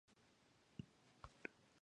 予約するのはめんどくさい